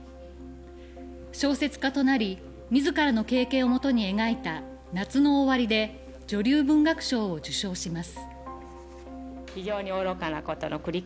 小説家となり、自らの経験をもとに描いた「夏の終わり」で女流文学賞を受賞します。